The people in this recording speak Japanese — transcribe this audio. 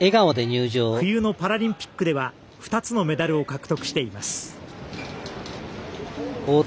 冬のパラリンピックでは２つのメダルを獲得しています。